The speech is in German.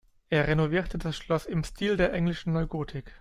Er renovierte das Schloss im Stil der englischen Neugotik.